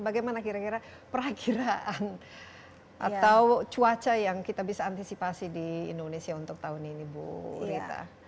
bagaimana kira kira perakiraan atau cuaca yang kita bisa antisipasi di indonesia untuk tahun ini bu rita